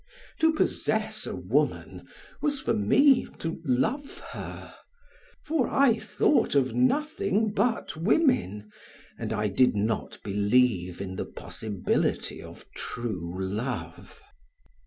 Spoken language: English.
To possess a woman was for me to love her; for I thought of nothing but women and I did not believe in the possibility of true love.